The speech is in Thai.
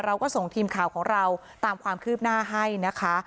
เราก็ส่งทีมข่าวของเราตามความคืบหน้าให้นะคะ